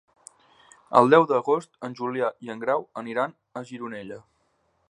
El deu d'agost en Julià i en Grau aniran a Gironella.